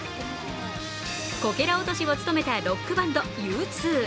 こけら落としを務めたロックバンド、Ｕ２。